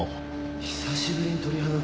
「久しぶりに鳥肌立った」